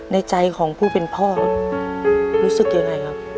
ในใจของผู้เป็นพ่อรู้สึกยังไงครับ